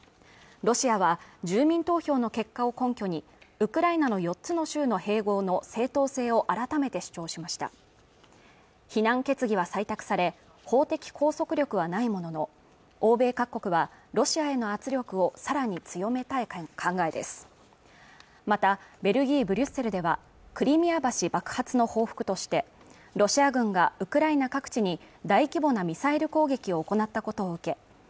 ロシアは住民投票の結果を根拠にウクライナの４つの州の併合の正当性を改めて主張しました非難決議は採択され法的拘束力はないものの欧米各国はロシアへの圧力をさらに強めたい考えですまたベルギー・ブリュッセルではクリミア橋爆発の報復としてロシア軍がウクライナ各地に大規模なミサイル攻撃を行ったことを受け